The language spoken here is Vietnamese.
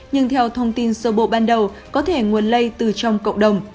nhưng theo thông tin sơ bộ ban đầu có thể nguồn lây từ trong cộng đồng